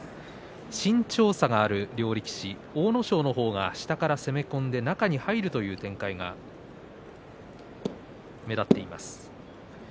身長差がある両力士阿武咲の方は下から攻め込んでいく中に入るという展開が目立っています。